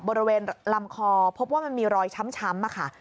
บริเวณลำคอพบว่ามันมีรอยช้ำค่ะ